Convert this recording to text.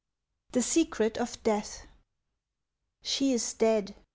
THE SECRET OF DEATH. "She is dead!"